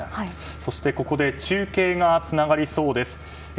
そして、ここで中継がつながりそうです。